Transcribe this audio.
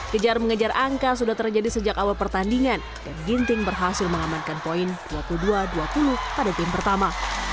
kejar mengejar angka sudah terjadi sejak awal pertandingan dan ginting berhasil mengamankan poin dua puluh dua dua puluh pada game pertama